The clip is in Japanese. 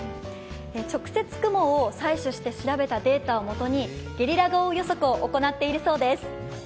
直接、雲を採取して調べたデータをもとにゲリラ豪雨予測を行っているそうです。